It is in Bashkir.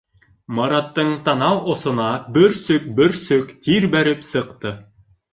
Мараттың танау осона бөрсөк-бөрсөк тир бәреп сыҡты.